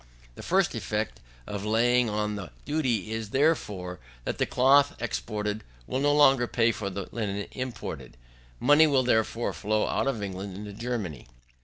The first effect of laying on the duty is, as before, that the cloth exported will no longer pay for the linen imported. Money will, therefore, flow out of England into Germany.